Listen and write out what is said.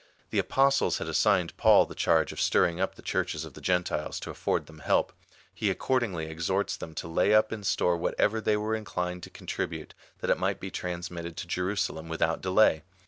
The apostles had assigned to Paul the charge of stirring up the Churches of the Grentiles to afibrd them help. He ac cordingly exhorts them to lay up in store whatever they were inclined to contribute, that it might be transmitted to Jenisalem without delay.